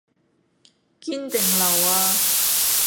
堅定流呀？